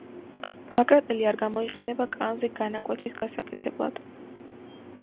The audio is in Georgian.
მაკრატელი არ გამოიყენება კანზე განაკვეთის გასაკეთებლად!